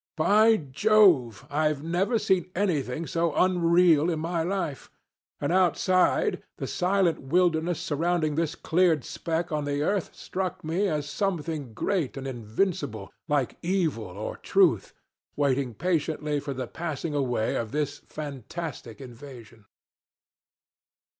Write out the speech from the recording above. By Jove! I've never seen anything so unreal in my life. And outside, the silent wilderness surrounding this cleared speck on the earth struck me as something great and invincible, like evil or truth, waiting patiently for the passing away of this fantastic invasion.